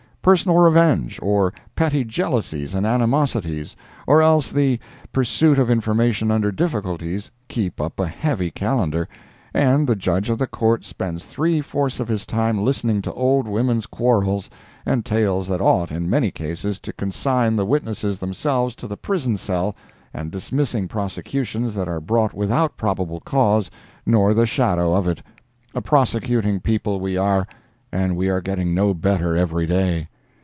Personal revenge, or petty jealousies and animosities, or else the pursuit of information under difficulties, keep up a heavy calendar, and the Judge of the Court spends three fourths of his time listening to old women's quarrels, and tales that ought, in many cases, to consign the witnesses themselves to the prison cell, and dismissing prosecutions that are brought without probable cause, nor the shadow of it. A prosecuting people we are, and we are getting no better every day.